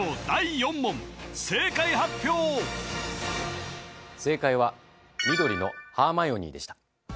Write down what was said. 第４問正解発表正解は緑のハーマイオニーでした